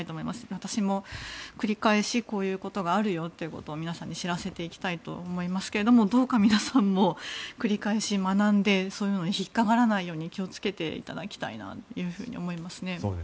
私も繰り返しこういうことがあるということを皆さんに知らせていただきたいと思いますけどもどうか皆さんも繰り返し学んでそういうの引っかからないように気をつけていただきたいです。